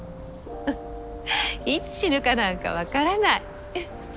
いつ死ぬかなんか分からない。